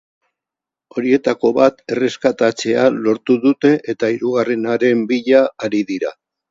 Horietako bat erreskatatzea lortu dute eta hirugarrenaren bila ari dira.